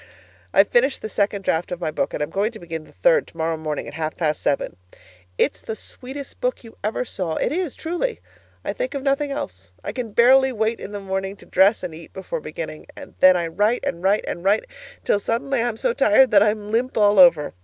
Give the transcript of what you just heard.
I've finished the second draft of my book and am going to begin the third tomorrow morning at half past seven. It's the sweetest book you ever saw it is, truly. I think of nothing else. I can barely wait in the morning to dress and eat before beginning; then I write and write and write till suddenly I'm so tired that I'm limp all over.